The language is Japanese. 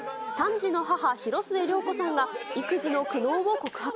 ３児の母、広末涼子さんが育児の苦悩を告白。